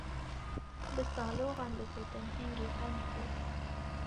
Bi saloxan digotin hingî qenc bû.